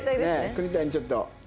栗谷ちょっと。